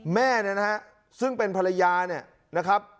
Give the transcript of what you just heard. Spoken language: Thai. แม่เนี่ยนะฮะซึ่งเป็นภรรยาเนี่ยนะครับ